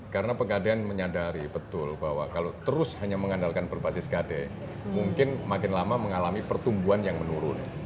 karena pegadean menyadari betul bahwa kalau terus hanya mengandalkan berbasis gade mungkin makin lama mengalami pertumbuhan yang menurun